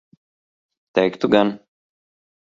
Teiktu gan.